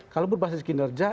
kalau berbasis kinerja